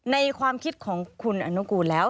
ในความคิดของคุณอนุกูลแล้ว